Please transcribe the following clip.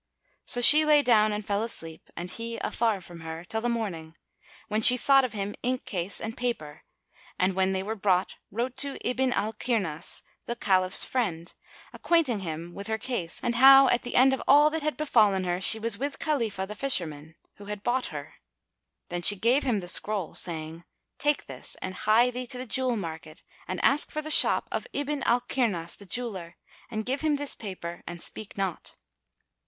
[FN#251] So she lay down and fell asleep (and he afar from her) till the morning, when she sought of him inkcase [FN#252] and paper and, when they were brought wrote to Ibn al Kirnas, the Caliph's friend, acquainting him with her case and how at the end of all that had befallen her she was with Khalifah the Fisherman, who had bought her. Then she gave him the scroll, saying, "Take this and hie thee to the jewel market and ask for the shop of Ibn al Kirnas the Jeweller and give him this paper and speak not."